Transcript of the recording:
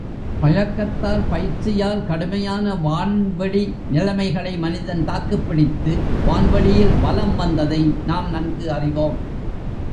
பழக்கத்தால், பயிற்சியால் கடுமையான வான்வெளி நிலைமைகளை மனிதன் தாக்குப் பிடித்து, வான்வெளியில் வலம் வந்ததை நாம் நன்கு அறிவோம்.